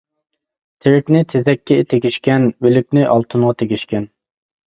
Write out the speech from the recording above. تىرىكنى تېزەككە تېگىشكەن، ئۆلۈكنى ئالتۇنغا تېگىشكەن.